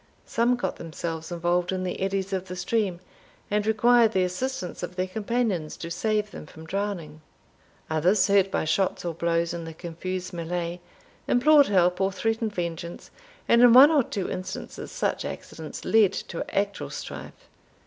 Some got themselves involved in the eddies of the stream, and required the assistance of their companions to save them from drowning. Others, hurt by shots or blows in the confused mele'e, implored help or threatened vengeance, and in one or two instances such accidents led to actual strife.